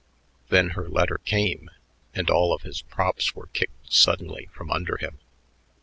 Then her letter came, and all of his props were kicked suddenly from under him.